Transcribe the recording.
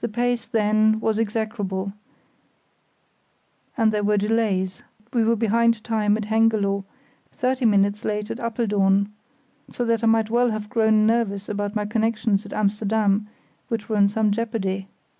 The pace, then, was execrable, and there were delays; we were behind time at Hengelo, thirty minutes late at Apeldoorn; so that I might well have grown nervous about my connexions at Amsterdam, which were in some jeopardy.